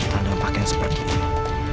tandang pake seperti ini